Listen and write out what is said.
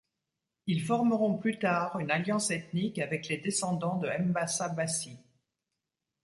Ils formeront plus tard une alliance ethnique avec les descendants de Mbassa-Bassi.